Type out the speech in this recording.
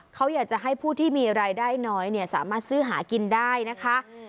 เขาอยากจะให้ผู้ที่มีรายได้น้อยสามารถซื้อหากินได้นะคะ